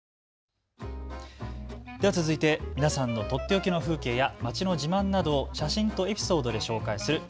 では続いて皆さんのとっておきの風景や街の自慢などを写真とエピソードで紹介する＃